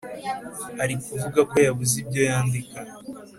arikuvuga ko yabuze ibyo yandika